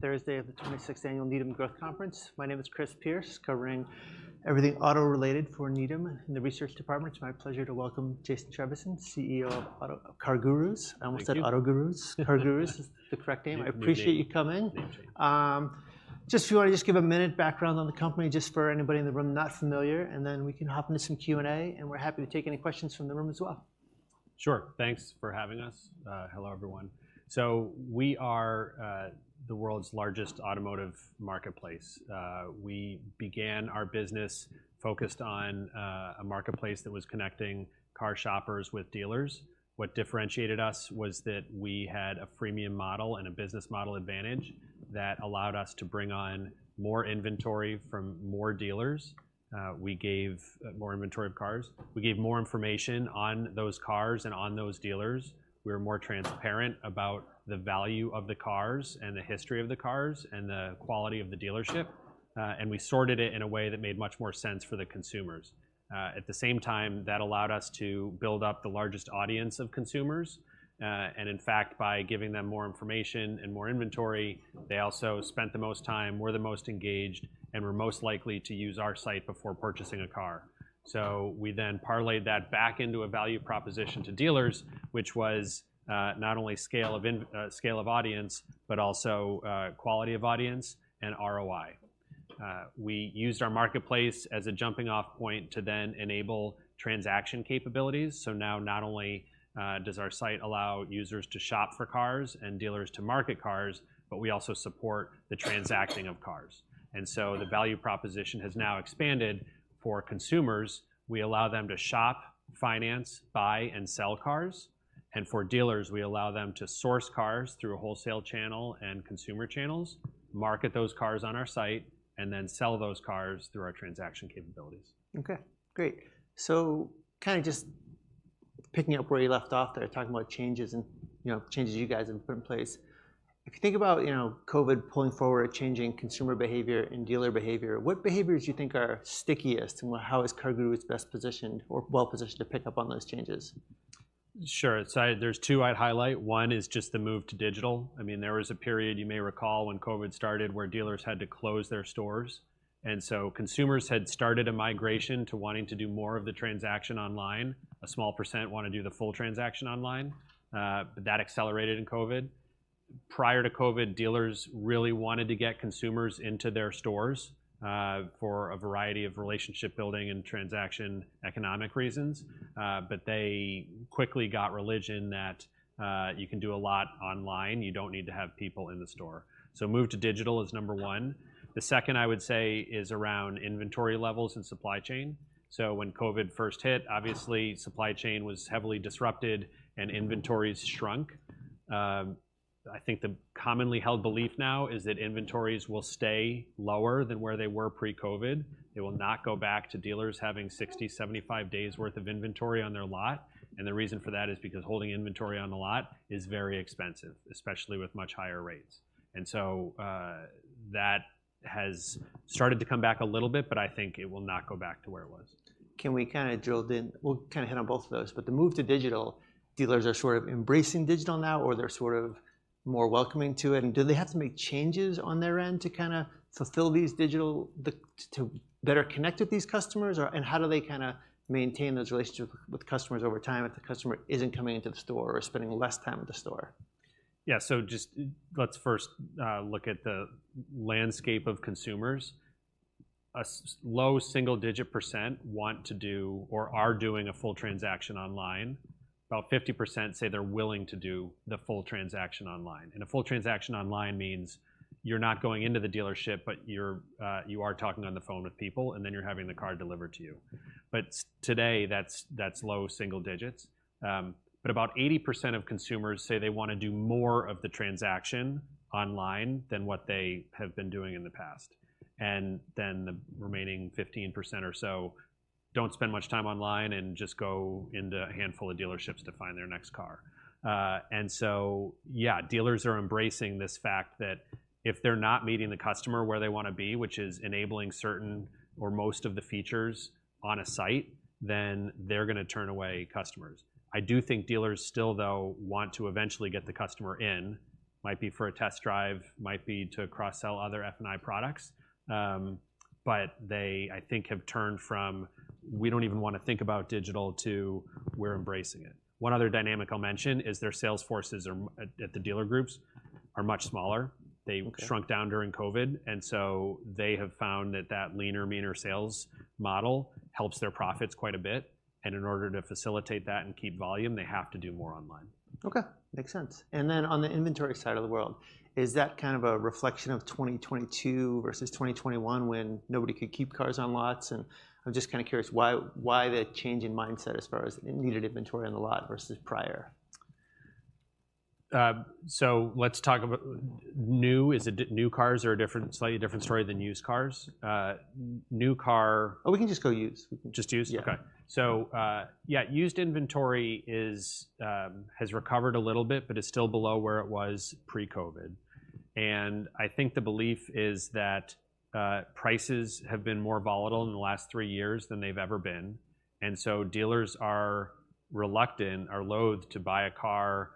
Thursday of the 26th Annual Needham Growth Conference. My name is Chris Pierce, covering everything auto-related for Needham in the research department. It's my pleasure to welcome Jason Trevisan, CEO of CarGurus. Thank you. I almost said AutoGurus. CarGurus is the correct name. You named it. I appreciate you coming. Thank you. Just if you wanna just give a minute background on the company, just for anybody in the room not familiar, and then we can hop into some Q&A, and we're happy to take any questions from the room as well. Sure. Thanks for having us. Hello, everyone. So we are the world's largest automotive marketplace. We began our business focused on a marketplace that was connecting car shoppers with dealers. What differentiated us was that we had a freemium model and a business model advantage that allowed us to bring on more inventory from more dealers. We gave more inventory of cars. We gave more information on those cars and on those dealers. We were more transparent about the value of the cars, and the history of the cars, and the quality of the dealership, and we sorted it in a way that made much more sense for the consumers. At the same time, that allowed us to build up the largest audience of consumers, and in fact, by giving them more information and more inventory, they also spent the most time, were the most engaged, and were most likely to use our site before purchasing a car. So we then parlayed that back into a value proposition to dealers, which was, not only scale of audience, but also, quality of audience and ROI. We used our marketplace as a jumping-off point to then enable transaction capabilities, so now not only, does our site allow users to shop for cars and dealers to market cars, but we also support the transacting of cars. And so the value proposition has now expanded. For consumers, we allow them to shop, finance, buy, and sell cars, and for dealers, we allow them to source cars through a wholesale channel and consumer channels, market those cars on our site, and then sell those cars through our transaction capabilities. Okay, great. So kind of just picking up where you left off there, talking about changes and, you know, changes you guys have put in place. If you think about, you know, COVID pulling forward, changing consumer behavior and dealer behavior, what behaviors do you think are stickiest, and how is CarGurus best positioned or well-positioned to pick up on those changes? Sure. So there's two I'd highlight. One is just the move to digital. I mean, there was a period, you may recall, when COVID started, where dealers had to close their stores, and so consumers had started a migration to wanting to do more of the transaction online. A small percent wanna do the full transaction online. But that accelerated in COVID. Prior to COVID, dealers really wanted to get consumers into their stores, for a variety of relationship building and transaction economic reasons. But they quickly got religion that, you can do a lot online. You don't need to have people in the store. So move to digital is number one. The second, I would say, is around inventory levels and supply chain. So when COVID first hit, obviously, supply chain was heavily disrupted and inventories shrunk. I think the commonly held belief now is that inventories will stay lower than where they were pre-COVID. It will not go back to dealers having 60, 75 days' worth of inventory on their lot, and the reason for that is because holding inventory on the lot is very expensive, especially with much higher rates. And so, that has started to come back a little bit, but I think it will not go back to where it was. Can we kinda drill down? We'll kinda hit on both of those, but the move to digital, dealers are sort of embracing digital now, or they're sort of more welcoming to it? And do they have to make changes on their end to kinda fulfill these digital to better connect with these customers, or? And how do they kinda maintain those relationships with customers over time if the customer isn't coming into the store or spending less time at the store? Yeah, so just, let's first look at the landscape of consumers. A low single-digit % want to do or are doing a full transaction online. About 50% say they're willing to do the full transaction online, and a full transaction online means you're not going into the dealership, but you're, you are talking on the phone with people, and then you're having the car delivered to you. But today, that's low single digits. But about 80% of consumers say they wanna do more of the transaction online than what they have been doing in the past, and then the remaining 15% or so don't spend much time online and just go into a handful of dealerships to find their next car. And so yeah, dealers are embracing this fact that if they're not meeting the customer where they wanna be, which is enabling certain or most of the features on a site, then they're gonna turn away customers. I do think dealers still, though, want to eventually get the customer in. Might be for a test drive, might be to cross-sell other F&I products. But they, I think, have turned from, "We don't even wanna think about digital," to, "We're embracing it." One other dynamic I'll mention is their sales forces are much smaller at the dealer groups. Okay. They shrunk down during COVID, and so they have found that that leaner, meaner sales model helps their profits quite a bit, and in order to facilitate that and keep volume, they have to do more online. Okay, makes sense. And then on the inventory side of the world, is that kind of a reflection of 2022 versus 2021, when nobody could keep cars on lots? And I'm just kinda curious why, why the change in mindset as far as needed inventory on the lot versus prior? So let's talk about new. New cars are a different, slightly different story than used cars. New car- Oh, we can just go used. Just used? Yeah. Okay. So, yeah, used inventory has recovered a little bit, but is still below where it was pre-COVID. I think the belief is that prices have been more volatile in the last three years than they've ever been, and so dealers are reluctant or loathe to buy a car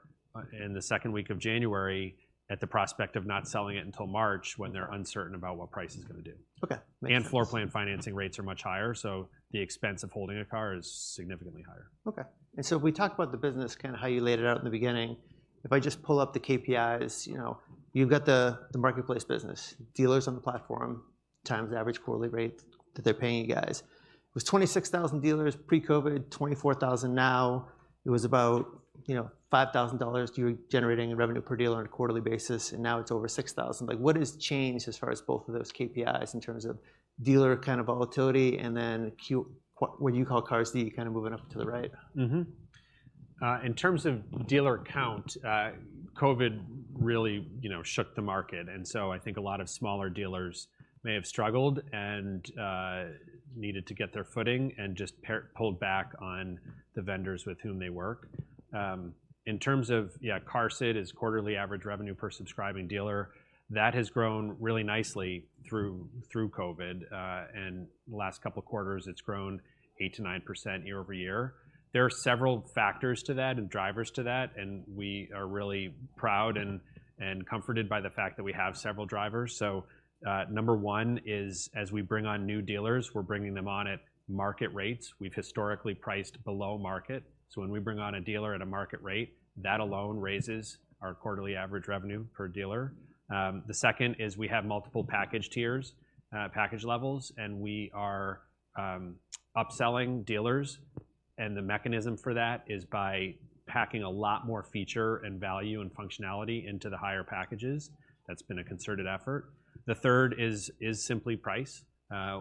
in the second week of January, at the prospect of not selling it until March, when they're uncertain about what price is gonna do. Okay, makes sense. loor plan financing rates are much higher, so the expense of holding a car is significantly higher. Okay, and so we talked about the business, kind of how you laid it out in the beginning. If I just pull up the KPIs, you know, you've got the marketplace business. Dealers on the platform, times the average quarterly rate that they're paying you guys. It was 26,000 dealers pre-COVID, 24,000 now. It was about, you know, $5,000 you were generating in revenue per dealer on a quarterly basis, and now it's over $6,000. Like, what has changed as far as both of those KPIs, in terms of dealer kind of volatility, and then Q... what, what you call QARSD, kind of moving up and to the right? Mm-hmm. In terms of dealer count, COVID really, you know, shook the market, and so I think a lot of smaller dealers may have struggled and needed to get their footing and just pulled back on the vendors with whom they work. In terms of, yeah, QARSD is quarterly average revenue per subscribing dealer, that has grown really nicely through, through COVID. And the last couple of quarters, it's grown 8%-9% year-over-year. There are several factors to that, and drivers to that, and we are really proud and comforted by the fact that we have several drivers. So, number one is, as we bring on new dealers, we're bringing them on at market rates. We've historically priced below market, so when we bring on a dealer at a market rate, that alone raises our quarterly average revenue per dealer. The second is, we have multiple package tiers, package levels, and we are upselling dealers, and the mechanism for that is by packing a lot more feature and value and functionality into the higher packages. That's been a concerted effort. The third is simply price.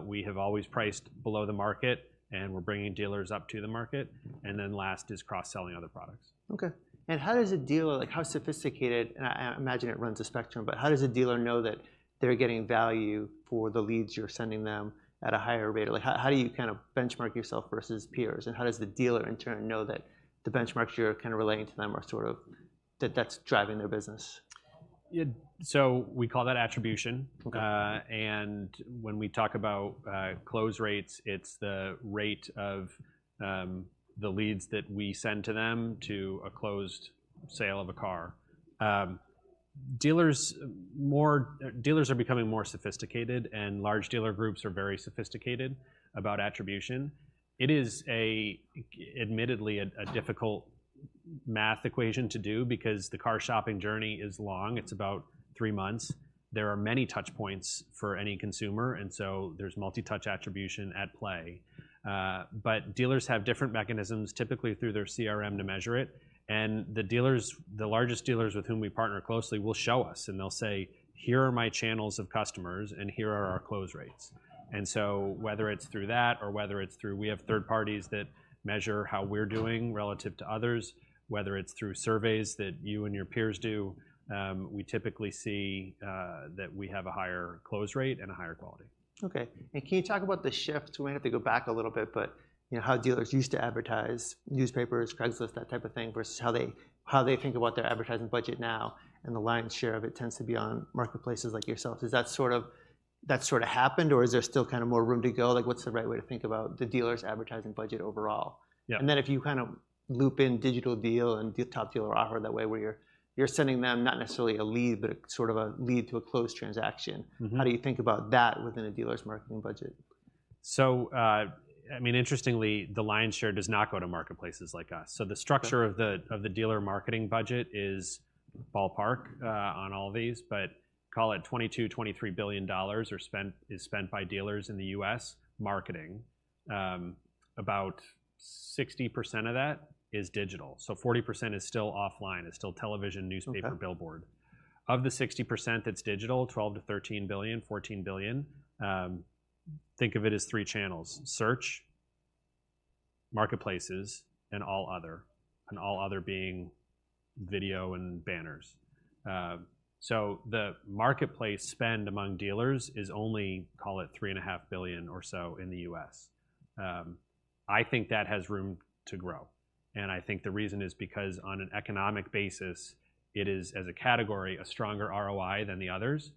We have always priced below the market, and we're bringing dealers up to the market, and then last is cross-selling other products. Okay, and how does a dealer... Like, how sophisticated, and I imagine it runs a spectrum, but how does a dealer know that they're getting value for the leads you're sending them at a higher rate? Like, how, how do you kind of benchmark yourself versus peers, and how does the dealer, in turn, know that the benchmarks you're kind of relating to them are sort of... That that's driving their business? Yeah, so we call that attribution. Okay. And when we talk about close rates, it's the rate of the leads that we send to them to a closed sale of a car. Dealers are becoming more sophisticated, and large dealer groups are very sophisticated about attribution. It is, admittedly, a difficult math equation to do, because the car shopping journey is long. It's about three months. There are many touch points for any consumer, and so there's multi-touch attribution at play. But dealers have different mechanisms, typically through their CRM, to measure it, and the dealers, the largest dealers with whom we partner closely, will show us and they'll say, "Here are my channels of customers, and here are our close rates." And so, whether it's through that, or whether it's through. We have third parties that measure how we're doing relative to others, whether it's through surveys that you and your peers do, we typically see that we have a higher close rate and a higher quality. Okay, and can you talk about the shift? We might have to go back a little bit, but you know, how dealers used to advertise, newspapers, Craigslist, that type of thing, versus how they, how they think about their advertising budget now, and the lion's share of it tends to be on marketplaces like yourself. Is that sort of, that sort of happened, or is there still kind of more room to go? Like, what's the right way to think about the dealer's advertising budget overall? Yeah. Then if you kind of loop in Digital Deal and Top Dealer Offer that way, where you're, you're sending them not necessarily a lead, but sort of a lead to a closed transaction- Mm-hmm. How do you think about that within a dealer's marketing budget? So, I mean, interestingly, the lion's share does not go to marketplaces like us. Okay. So the structure of the dealer marketing budget is ballpark on all these, but call it $22 billion-$23 billion are spent by dealers in the U.S., marketing. About 60% of that is digital, so 40% is still offline, still television, newspaper- Okay... billboard. Of the 60% that's digital, $12 billion-$13 billion, $14 billion, think of it as three channels: search, marketplaces, and all other. And all other being video and banners. So the marketplace spend among dealers is only, call it, $3.5 billion or so in the U.S. I think that has room to grow, and I think the reason is because on an economic basis, it is, as a category, a stronger ROI than the others.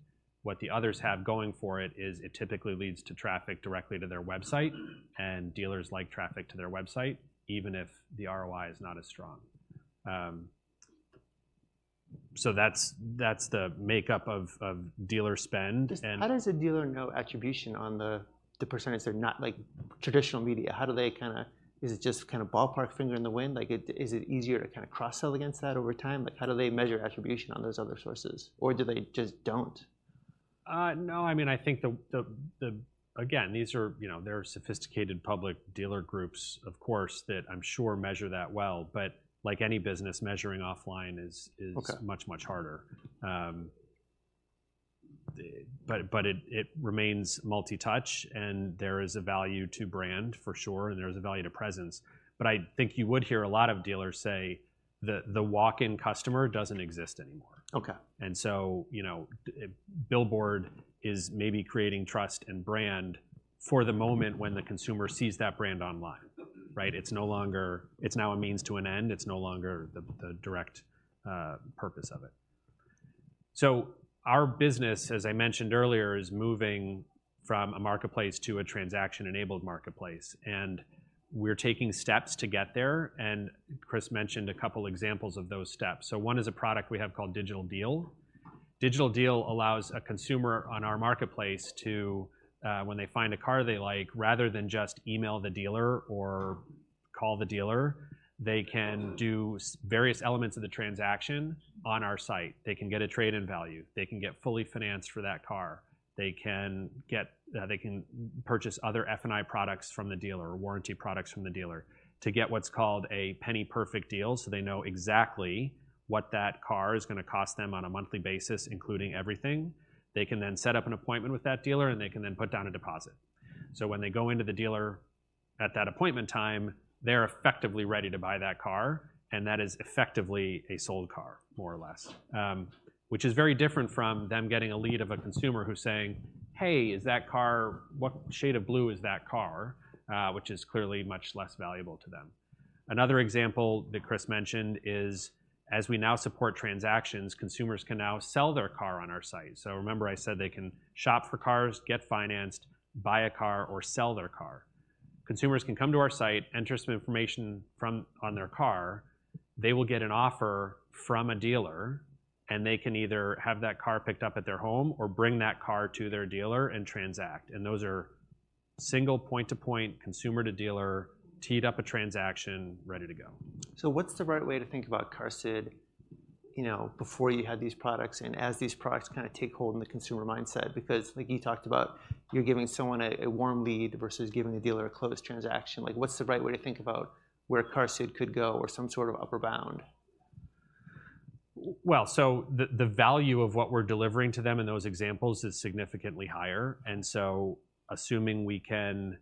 What the others have going for it is, it typically leads to traffic directly to their website, and dealers like traffic to their website, even if the ROI is not as strong. So that's, that's the makeup of, of dealer spend, and- How does a dealer know attribution on the percentage they're not? Like, traditional media, how do they kinda— Is it just kinda ballpark, finger in the wind? Like, is it easier to kinda cross-sell against that over time? Like, how do they measure attribution on those other sources, or do they just don't? No, I mean, I think the-- Again, these are, you know, there are sophisticated public dealer groups, of course, that I'm sure measure that well. But like any business, measuring offline is- Okay... much, much harder. But it remains multi-touch, and there is a value to brand, for sure, and there is a value to presence. But I think you would hear a lot of dealers say that the walk-in customer doesn't exist anymore. Okay. And so, you know, billboard is maybe creating trust and brand for the moment when the consumer sees that brand online, right? It's no longer. It's now a means to an end. It's no longer the direct purpose of it. So our business, as I mentioned earlier, is moving from a marketplace to a transaction-enabled marketplace, and we're taking steps to get there, and Chris mentioned a couple examples of those steps. So one is a product we have called Digital Deal. Digital Deal allows a consumer on our marketplace to, when they find a car they like, rather than just email the dealer or call the dealer, they can do various elements of the transaction on our site. They can get a trade-in value. They can get fully financed for that car. They can get. They can purchase other F&I products from the dealer, or warranty products from the dealer, to get what's called a penny-perfect deal, so they know exactly what that car is gonna cost them on a monthly basis, including everything. They can then set up an appointment with that dealer, and they can then put down a deposit. So when they go into the dealer at that appointment time, they're effectively ready to buy that car, and that is effectively a sold car, more or less. Which is very different from them getting a lead of a consumer who's saying, "Hey, is that car-- What shade of blue is that car?" Which is clearly much less valuable to them. Another example that Chris mentioned is, as we now support transactions, consumers can now sell their car on our site. So remember I said they can shop for cars, get financed, buy a car, or sell their car. Consumers can come to our site, enter some information from, on their car, they will get an offer from a dealer, and they can either have that car picked up at their home or bring that car to their dealer and transact. And those are single point-to-point, consumer-to-dealer, teed-up a transaction, ready to go. So what's the right way to think about QARSD, you know, before you had these products and as these products kinda take hold in the consumer mindset? Because, like you talked about, you're giving someone a, a warm lead versus giving the dealer a closed transaction. Like, what's the right way to think about where QARSD could go or some sort of upper bound? Well, so the value of what we're delivering to them in those examples is significantly higher, and so assuming we can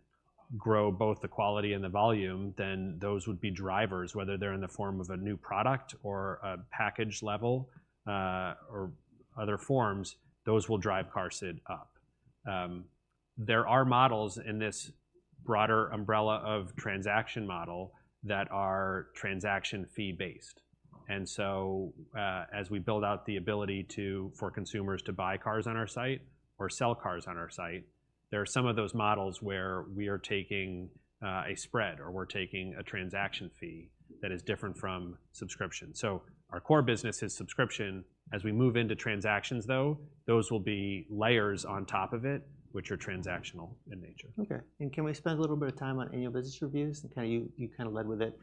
grow both the quality and the volume, then those would be drivers, whether they're in the form of a new product or a package level, or other forms, those will drive QARSD up. There are models in this broader umbrella of transaction model that are transaction fee-based. So, as we build out the ability to, for consumers to buy cars on our site or sell cars on our site, there are some of those models where we are taking, a spread or we're taking a transaction fee that is different from subscription. So our core business is subscription. As we move into transactions, though, those will be layers on top of it, which are transactional in nature. Okay. Can we spend a little bit of time on Annual Business Reviews? Kinda you, you kinda led with it,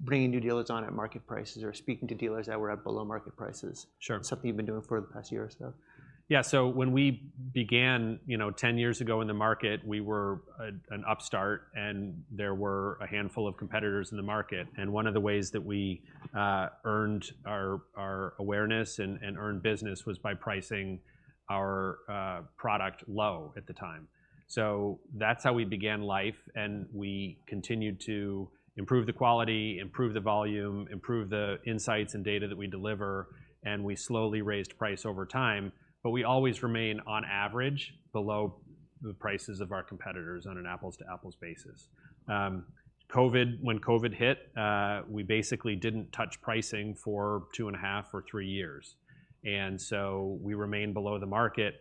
bringing new dealers on at market prices or speaking to dealers that were at below market prices. Sure. Something you've been doing for the past year or so. Yeah. So when we began, you know, 10 years ago in the market, we were an upstart, and there were a handful of competitors in the market. And one of the ways that we earned our awareness and earned business was by pricing our product low at the time. So that's how we began life, and we continued to improve the quality, improve the volume, improve the insights and data that we deliver, and we slowly raised price over time. But we always remain, on average, below the prices of our competitors on an apples-to-apples basis. COVID, when COVID hit, we basically didn't touch pricing for 2.5 or 3 years, and so we remained below the market.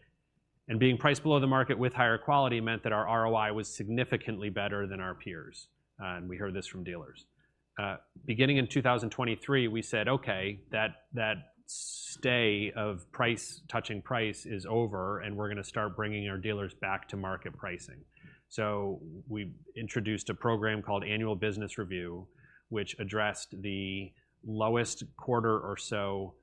And being priced below the market with higher quality meant that our ROI was significantly better than our peers. We heard this from dealers. Beginning in 2023, we said, "Okay, that, that stay of price, touching price is over, and we're gonna start bringing our dealers back to market pricing." So we introduced a program called Annual Business Review, which addressed the lowest quarter or so,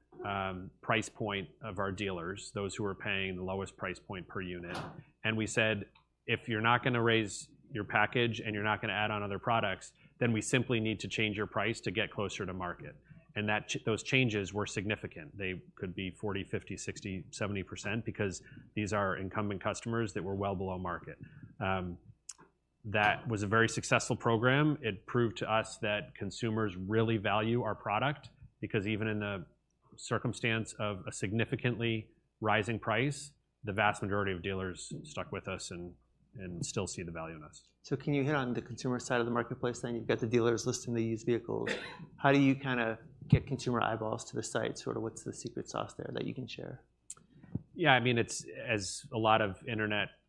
price point of our dealers, those who were paying the lowest price point per unit. And we said, "If you're not gonna raise your package and you're not gonna add on other products, then we simply need to change your price to get closer to market." And those changes were significant. They could be 40%, 50%, 60%, 70% because these are incumbent customers that were well below market. That was a very successful program. It proved to us that consumers really value our product, because even in the circumstance of a significantly rising price, the vast majority of dealers stuck with us and still see the value in us. Can you hit on the consumer side of the marketplace, then? You've got the dealers listing these vehicles. How do you kinda get consumer eyeballs to the site? Sort of, what's the secret sauce there that you can share? Yeah, I mean, it's as a lot of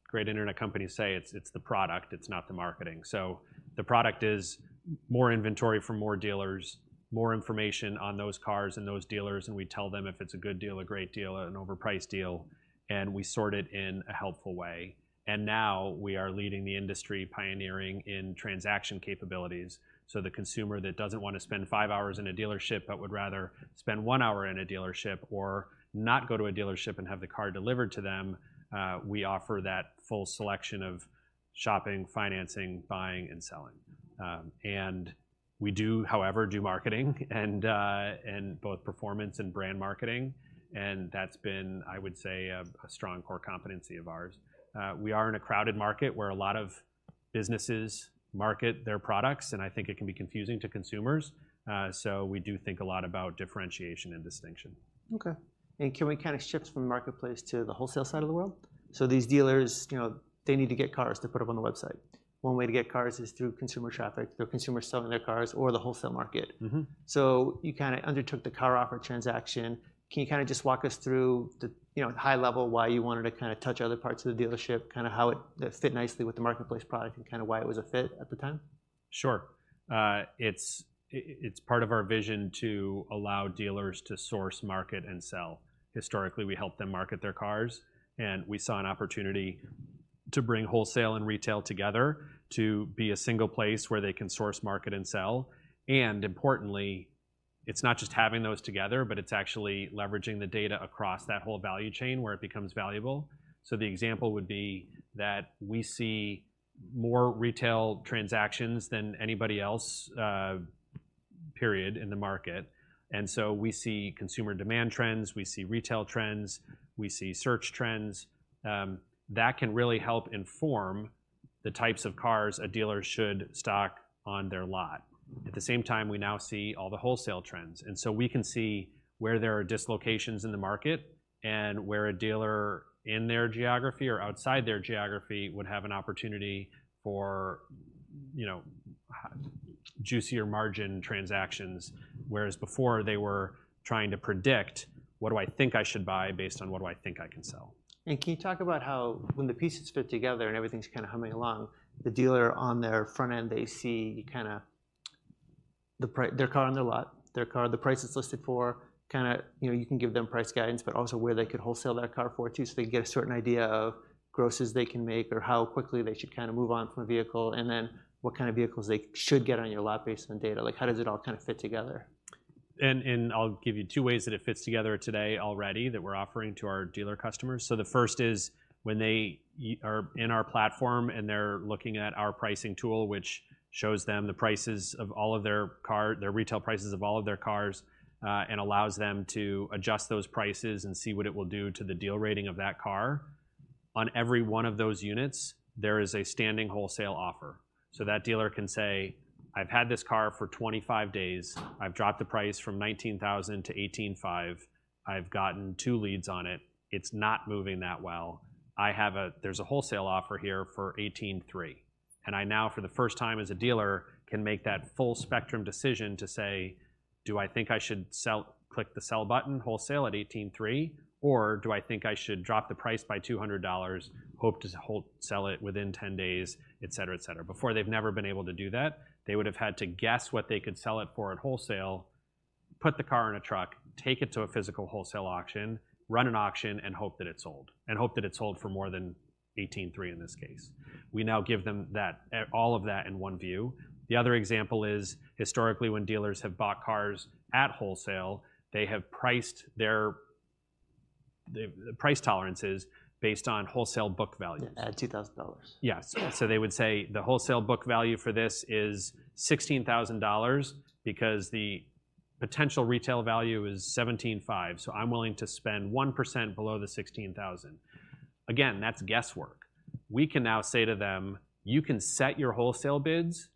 great internet companies say, it's the product, it's not the marketing. So the product is more inventory from more dealers, more information on those cars and those dealers, and we tell them if it's a good deal, a great deal, an overpriced deal, and we sort it in a helpful way. And now we are leading the industry, pioneering in transaction capabilities. So the consumer that doesn't want to spend five hours in a dealership but would rather spend one hour in a dealership or not go to a dealership and have the car delivered to them, we offer that full selection of shopping, financing, buying, and selling. And we do, however, do marketing and both performance and brand marketing, and that's been, I would say, a strong core competency of ours. We are in a crowded market where a lot of businesses market their products, and I think it can be confusing to consumers, so we do think a lot about differentiation and distinction. Okay. And can we kind of shift from the marketplace to the wholesale side of the world? So these dealers, you know, they need to get cars to put up on the website. One way to get cars is through consumer traffic, through consumers selling their cars or the wholesale market. Mm-hmm. So you kind of undertook the CarOffer transaction. Can you kind of just walk us through the, you know, high level, why you wanted to kind of touch other parts of the dealership, kind of how it fit nicely with the marketplace product, and kind of why it was a fit at the time? Sure. It's part of our vision to allow dealers to source, market, and sell. Historically, we helped them market their cars, and we saw an opportunity to bring wholesale and retail together to be a single place where they can source, market, and sell. Importantly, it's not just having those together, but it's actually leveraging the data across that whole value chain where it becomes valuable. The example would be that we see more retail transactions than anybody else, period, in the market, and so we see consumer demand trends, we see retail trends, we see search trends. That can really help inform the types of cars a dealer should stock on their lot. At the same time, we now see all the wholesale trends, and so we can see where there are dislocations in the market and where a dealer in their geography or outside their geography would have an opportunity for, you know, juicier margin transactions, whereas before they were trying to predict, "What do I think I should buy based on what do I think I can sell? Can you talk about how, when the pieces fit together and everything's kind of humming along, the dealer on their front end, they see kind of their car on their lot, their car, the price it's listed for. Kind of, you know, you can give them price guidance, but also where they could wholesale that car for too, so they get a certain idea of grosses they can make or how quickly they should kind of move on from a vehicle, and then what kind of vehicles they should get on your lot based on data. Like, how does it all kind of fit together? I'll give you two ways that it fits together today already that we're offering to our dealer customers. So the first is when they are in our platform and they're looking at our pricing tool, which shows them the prices of all of their their retail prices of all of their cars, and allows them to adjust those prices and see what it will do to the Deal Rating of that car. On every one of those units, there is a standing wholesale offer. So that dealer can say, "I've had this car for 25 days. I've dropped the price from $19,000 to $18,500. I've gotten two leads on it. It's not moving that well. I have a... There's a wholesale offer here for $18,300, and I now, for the first time as a dealer, can make that full-spectrum decision to say: Do I think I should sell, click the sell button, wholesale at $18,300, or do I think I should drop the price by $200, hope to wholesale it within 10 days? Et cetera, et cetera. Before, they've never been able to do that. They would have had to guess what they could sell it for at wholesale, put the car on a truck, take it to a physical wholesale auction, run an auction, and hope that it sold, and hope that it sold for more than $18,300, in this case. We now give them that, all of that in one view. The other example is, historically, when dealers have bought cars at wholesale, they have priced their... The price tolerance is based on wholesale book value. Yeah, at $2,000. Yes. So they would say, "The wholesale book value for this is $16,000, because the potential retail value is $17,500, so I'm willing to spend 1% below the $16,000." Again, that's guesswork. We can now say to them, "You can set your wholesale bids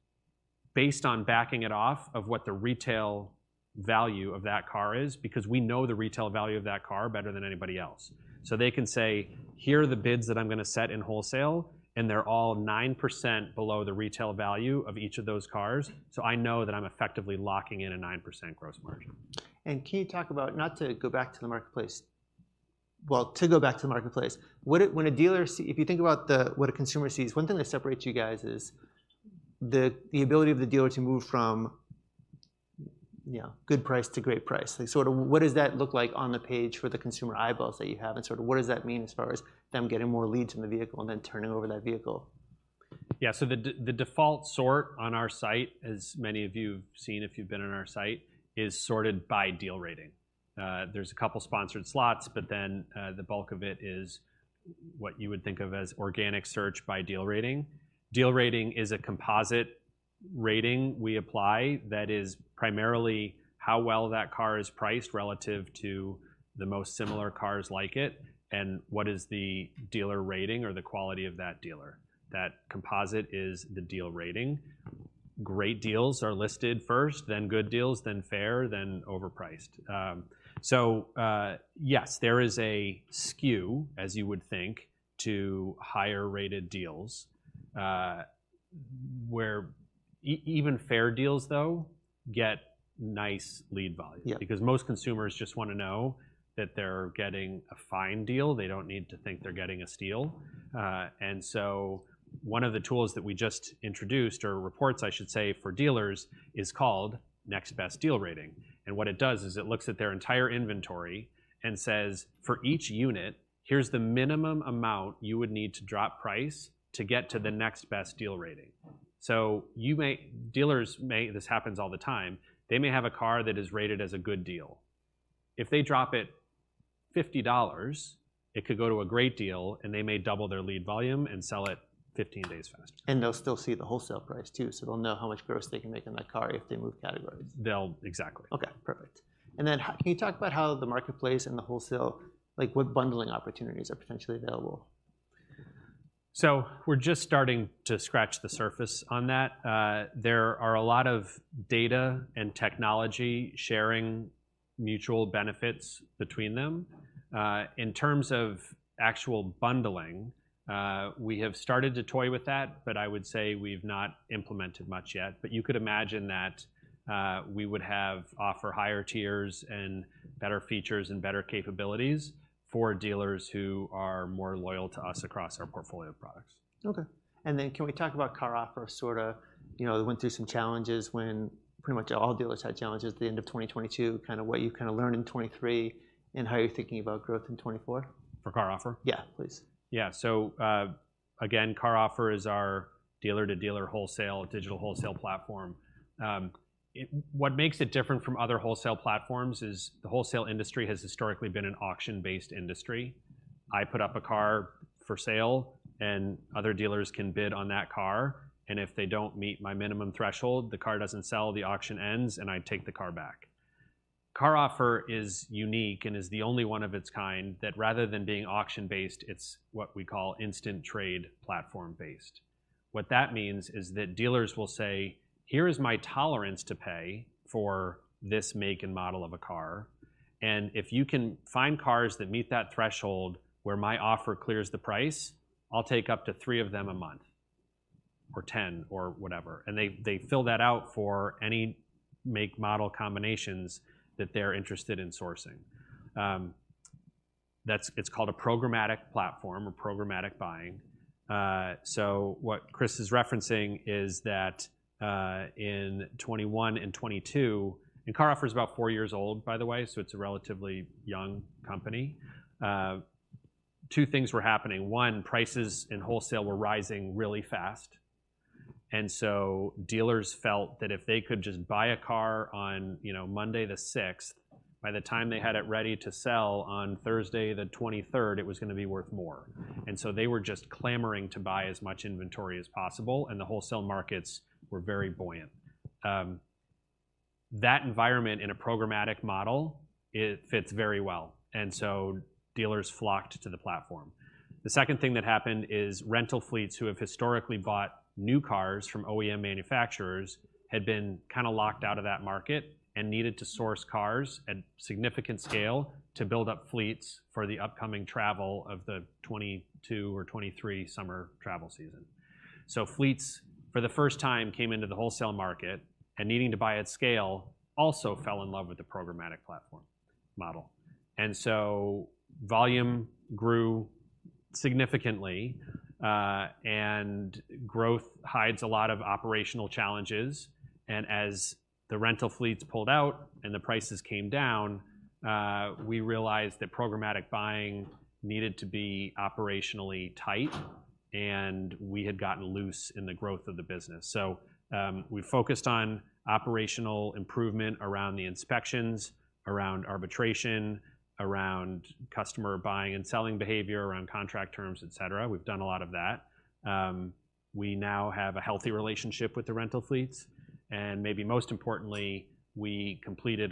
based on backing it off of what the retail value of that car is, because we know the retail value of that car better than anybody else." So they can say, "Here are the bids that I'm going to set in wholesale, and they're all 9% below the retail value of each of those cars, so I know that I'm effectively locking in a 9% gross margin. Can you talk about... Not to go back to the marketplace. Well, to go back to the marketplace. What – when a dealer sees, if you think about the, what a consumer sees, one thing that separates you guys is the ability of the dealer to move from, you know, good price to great price. Like, sort of, what does that look like on the page for the consumer eyeballs that you have, and sort of, what does that mean as far as them getting more leads in the vehicle and then turning over that vehicle? Yeah. So the default sort on our site, as many of you have seen if you've been on our site, is sorted by Deal Rating. There's a couple sponsored slots, but then the bulk of it is what you would think of as organic search by Deal Rating. Deal Rating is a composite rating we apply that is primarily how well that car is priced relative to the most similar cars like it, and what is the dealer rating or the quality of that dealer. That composite is the Deal Rating. Great deals are listed first, then good deals, then fair, then overpriced. So yes, there is a skew, as you would think, to higher-rated deals, where even fair deals, though, get nice lead volume. Yeah. Because most consumers just want to know that they're getting a fine deal. They don't need to think they're getting a steal. And so one of the tools that we just introduced, or reports I should say, for dealers is called Next Best Deal Rating, and what it does is it looks at their entire inventory and says, "For each unit, here's the minimum amount you would need to drop price to get to the next best deal rating." So you may... Dealers may, this happens all the time, they may have a car that is rated as a good deal. If they drop it $50, it could go to a great deal, and they may double their lead volume and sell it 15 days faster. They'll still see the wholesale price too, so they'll know how much gross they can make on that car if they move categories. They'll... Exactly. Okay, perfect. And then can you talk about how the marketplace and the wholesale, like what bundling opportunities are potentially available?... So we're just starting to scratch the surface on that. There are a lot of data and technology sharing mutual benefits between them. In terms of actual bundling, we have started to toy with that, but I would say we've not implemented much yet. But you could imagine that, we would have offer higher tiers and better features and better capabilities for dealers who are more loyal to us across our portfolio of products. Okay. And then can we talk about CarOffer? Sorta, you know, they went through some challenges when pretty much all dealers had challenges at the end of 2022. Kind of what you kind of learned in 2023, and how you're thinking about growth in 2024. For CarOffer? Yeah, please. Yeah. So, again, CarOffer is our dealer-to-dealer wholesale, digital wholesale platform. It, what makes it different from other wholesale platforms is the wholesale industry has historically been an auction-based industry. I put up a car for sale, and other dealers can bid on that car, and if they don't meet my minimum threshold, the car doesn't sell, the auction ends, and I take the car back. CarOffer is unique and is the only one of its kind, that rather than being auction-based, it's what we call instant trade platform-based. What that means is that dealers will say, "Here is my tolerance to pay for this make and model of a car, and if you can find cars that meet that threshold where my offer clears the price, I'll take up to three of them a month, or 10, or whatever." And they fill that out for any make, model combinations that they're interested in sourcing. That's called a programmatic platform or programmatic buying. So what Chris is referencing is that in 2021 and 2022... And CarOffer is about four years old, by the way, so it's a relatively young company. Two things were happening. One, prices in wholesale were rising really fast, and so dealers felt that if they could just buy a car on, you know, Monday the 6th, by the time they had it ready to sell on Thursday the 23rd, it was gonna be worth more. And so they were just clamoring to buy as much inventory as possible, and the wholesale markets were very buoyant. That environment in a programmatic model, it fits very well, and so dealers flocked to the platform. The second thing that happened is rental fleets, who have historically bought new cars from OEM manufacturers, had been kinda locked out of that market and needed to source cars at significant scale to build up fleets for the upcoming travel of the 2022 or 2023 summer travel season. So fleets, for the first time, came into the wholesale market, and needing to buy at scale, also fell in love with the programmatic platform model. And so volume grew significantly, and growth hides a lot of operational challenges, and as the rental fleets pulled out and the prices came down, we realized that programmatic buying needed to be operationally tight, and we had gotten loose in the growth of the business. So, we focused on operational improvement around the inspections, around arbitration, around customer buying and selling behavior, around contract terms, et cetera. We've done a lot of that. We now have a healthy relationship with the rental fleets, and maybe most importantly, we completed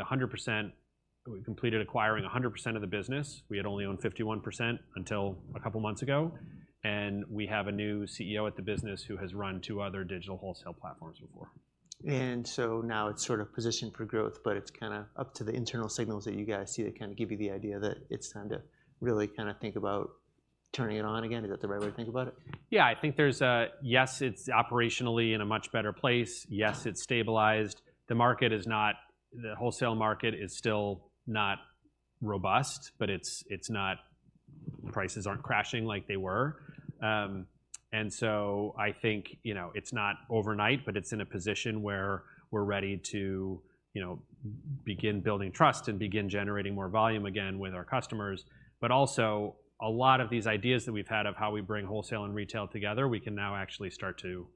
acquiring 100% of the business. We had only owned 51% until a couple of months ago, and we have a new CEO at the business who has run two other digital wholesale platforms before. And so now it's sort of positioned for growth, but it's kinda up to the internal signals that you guys see that kinda give you the idea that it's time to really kinda think about turning it on again. Is that the right way to think about it? Yeah, I think there's... Yes, it's operationally in a much better place. Yes, it's stabilized. The market is not, the wholesale market is still not robust, but it's, it's not, prices aren't crashing like they were. And so I think, you know, it's not overnight, but it's in a position where we're ready to, you know, begin building trust and begin generating more volume again with our customers. But also, a lot of these ideas that we've had of how we bring wholesale and retail together, we can now actually start to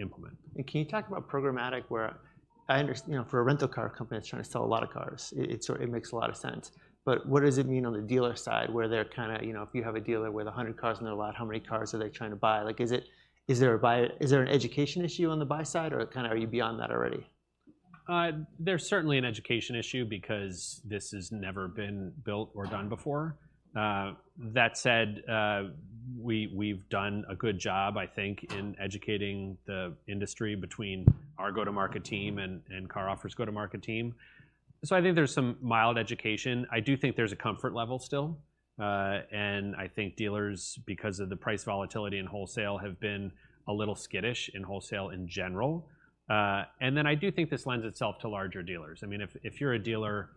implement. Can you talk about programmatic? You know, for a rental car company that's trying to sell a lot of cars, it, it sort of makes a lot of sense. But what does it mean on the dealer side, where they're kinda, you know, if you have a dealer with 100 cars on their lot, how many cars are they trying to buy? Like, is there an education issue on the buy side, or kinda are you beyond that already? There's certainly an education issue because this has never been built or done before. That said, we've done a good job, I think, in educating the industry between our go-to-market team and CarOffer's go-to-market team. So I think there's some mild education. I do think there's a comfort level still, and I think dealers, because of the price volatility in wholesale, have been a little skittish in wholesale in general. And then I do think this lends itself to larger dealers. I mean, if you're a dealer,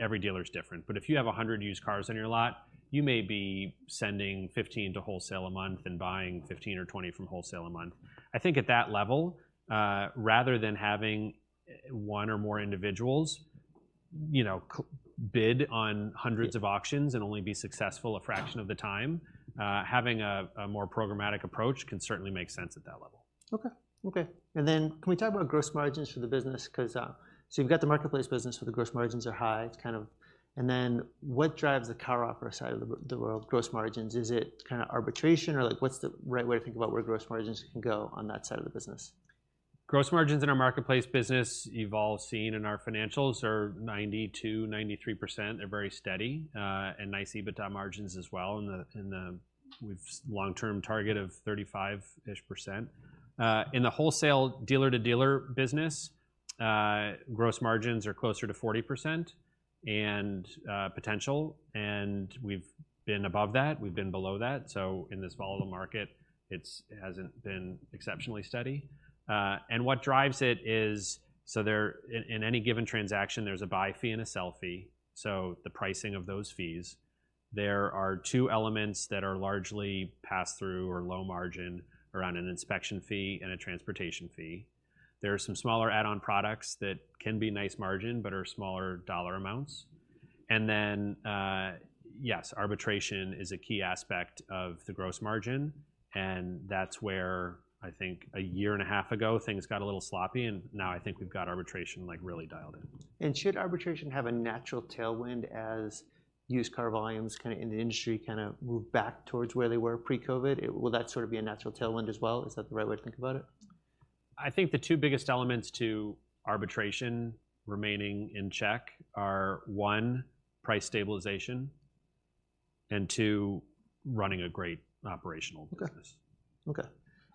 every dealer's different, but if you have 100 used cars on your lot, you may be sending 15 to wholesale a month and buying 15 or 20 from wholesale a month. I think at that level, rather than having one or more individuals, you know, bid on hundreds of auctions and only be successful a fraction of the time, having a more programmatic approach can certainly make sense at that level. Okay. Okay, and then can we talk about gross margins for the business? 'Cause, so you've got the marketplace business, where the gross margins are high. It's kind of... And then what drives the CarOffer side of the world gross margins? Is it kinda arbitration, or like what's the right way to think about where gross margins can go on that side of the business? ... Gross margins in our marketplace business, you've all seen in our financials, are 92%-93%. They're very steady, and nice EBITDA margins as well in the marketplace. We've long-term target of 35-ish%. In the wholesale dealer-to-dealer business, gross margins are closer to 40% and potential, and we've been above that, we've been below that, so in this volatile market, it hasn't been exceptionally steady. And what drives it is, so there in any given transaction, there's a buy fee and a sell fee, so the pricing of those fees. There are two elements that are largely pass-through or low margin around an inspection fee and a transportation fee. There are some smaller add-on products that can be nice margin, but are smaller dollar amounts. And then, yes, arbitration is a key aspect of the gross margin, and that's where I think a year and a half ago, things got a little sloppy, and now I think we've got arbitration, like, really dialed in. Should arbitration have a natural tailwind as used car volumes kind of in the industry kind of move back towards where they were pre-COVID? Will that sort of be a natural tailwind as well? Is that the right way to think about it? I think the two biggest elements to arbitration remaining in check are, one, price stabilization, and two, running a great operational business. Okay. Okay,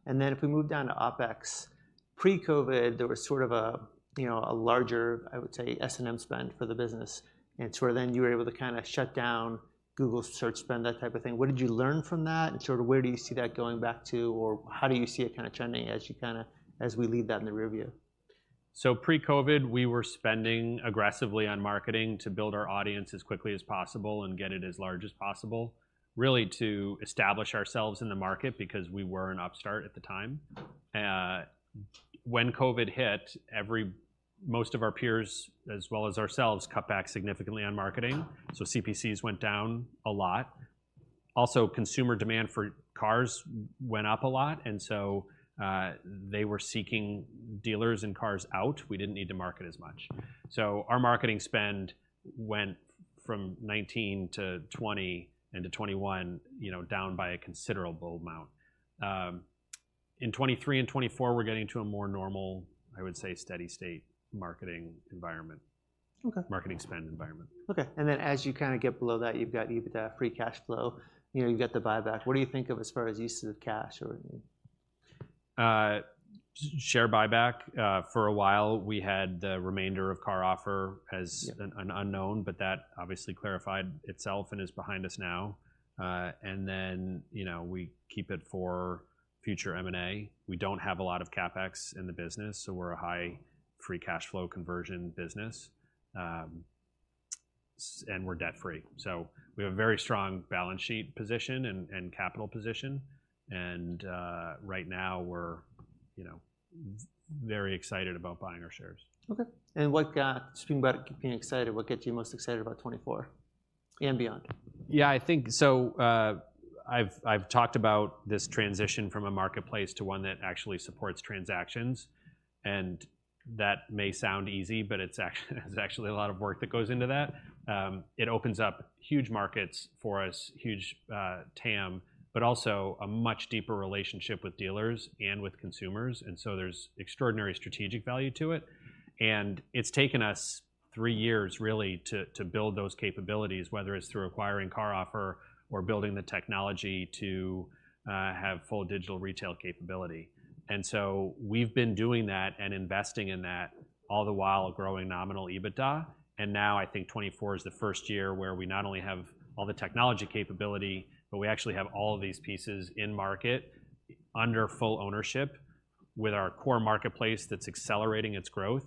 and then if we move down to OpEx, pre-COVID, there was sort of a, you know, a larger, I would say, S&M spend for the business. And so then you were able to kind of shut down Google Search spend, that type of thing. What did you learn from that, and sort of where do you see that going back to, or how do you see it kind of trending as we leave that in the rearview? So pre-COVID, we were spending aggressively on marketing to build our audience as quickly as possible and get it as large as possible, really to establish ourselves in the market because we were an upstart at the time. When COVID hit, most of our peers, as well as ourselves, cut back significantly on marketing, so CPCs went down a lot. Also, consumer demand for cars went up a lot, and so, they were seeking dealers and cars out. We didn't need to market as much. So our marketing spend went from 2019 to 2020 into 2021, you know, down by a considerable amount. In 2023 and 2024, we're getting to a more normal, I would say, steady state marketing environment- Okay. Marketing spend environment. Okay, and then as you kind of get below that, you've got EBITDA, free cash flow, you know, you've got the buyback. What do you think of as far as use of cash or...? Share buyback, for a while, we had the remainder of CarOffer as- Yep... an unknown, but that obviously clarified itself and is behind us now. And then, you know, we keep it for future M&A. We don't have a lot of CapEx in the business, so we're a high free cash flow conversion business. And we're debt-free, so we have a very strong balance sheet position and capital position, and right now we're, you know, very excited about buying our shares. Okay. And what springboard keeping you excited? What gets you most excited about 2024 and beyond? Yeah, I think so. I've talked about this transition from a marketplace to one that actually supports transactions, and that may sound easy, but it's actually there's actually a lot of work that goes into that. It opens up huge markets for us, huge TAM, but also a much deeper relationship with dealers and with consumers, and so there's extraordinary strategic value to it. And it's taken us three years, really, to build those capabilities, whether it's through acquiring CarOffer or building the technology to have full digital retail capability. And so we've been doing that and investing in that, all the while growing nominal EBITDA. Now I think 2024 is the first year where we not only have all the technology capability, but we actually have all of these pieces in market under full ownership with our core marketplace that's accelerating its growth.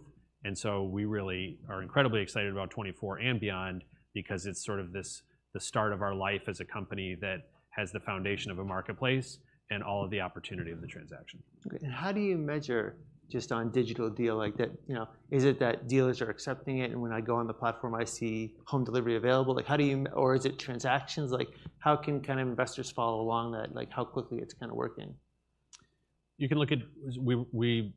So we really are incredibly excited about 2024 and beyond because it's sort of this, the start of our life as a company that has the foundation of a marketplace and all of the opportunity of the transaction. Okay, and how do you measure just on Digital Deal like that, you know, is it that dealers are accepting it, and when I go on the platform, I see home delivery available? Like, how do you...? Or is it transactions? Like, how can kind of investors follow along that, like, how quickly it's kind of working? You can look at... We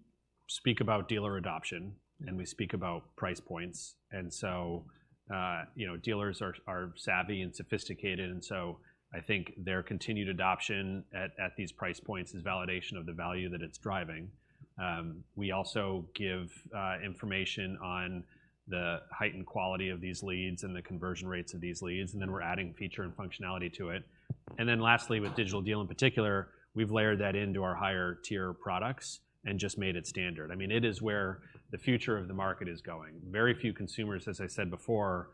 speak about dealer adoption, and we speak about price points. So, you know, dealers are savvy and sophisticated, and so I think their continued adoption at these price points is validation of the value that it's driving. We also give information on the heightened quality of these leads and the conversion rates of these leads, and then we're adding feature and functionality to it. Then lastly, with Digital Deal in particular, we've layered that into our higher tier products and just made it standard. I mean, it is where the future of the market is going. Very few consumers, as I said before,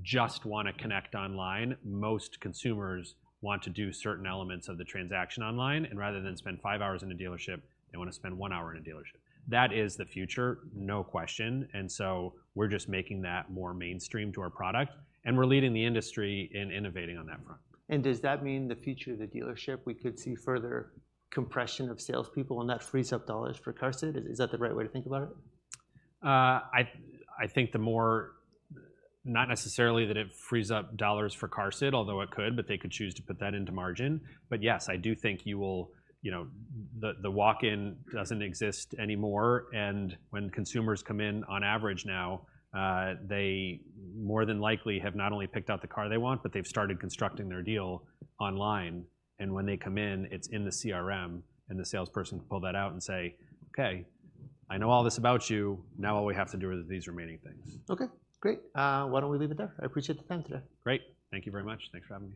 just want to connect online. Most consumers want to do certain elements of the transaction online, and rather than spend five hours in a dealership, they want to spend one hour in a dealership. That is the future, no question, and so we're just making that more mainstream to our product, and we're leading the industry in innovating on that front. Does that mean the future of the dealership, we could see further compression of salespeople and that frees up dollars for QARSD? Is that the right way to think about it? I think the more... Not necessarily that it frees up dollars for QARSD, although it could, but they could choose to put that into margin. But yes, I do think you will, you know, the walk-in doesn't exist anymore, and when consumers come in on average now, they more than likely have not only picked out the car they want, but they've started constructing their deal online. And when they come in, it's in the CRM, and the salesperson can pull that out and say, "Okay, I know all this about you. Now, all we have to do are these remaining things. Okay, great. Why don't we leave it there? I appreciate the time today. Great! Thank you very much. Thanks for having me.